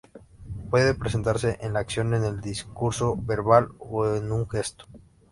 Puede presentarse en la acción, en el discurso verbal o en un gesto.